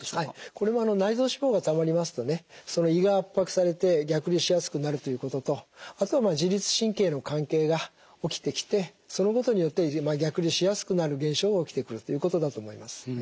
これは内臓脂肪がたまりますとね胃が圧迫されて逆流しやすくなるということとあとは自律神経の関係が起きてきてそのことによって逆流しやすくなる現象が起きてくるということだと思います。